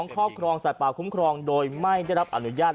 ครอบครองสัตว์ป่าคุ้มครองโดยไม่ได้รับอนุญาต